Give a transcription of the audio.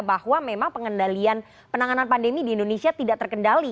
bahwa memang pengendalian penanganan pandemi di indonesia tidak terkendali